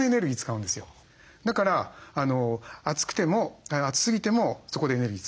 だから暑くても暑すぎてもそこでエネルギー使う。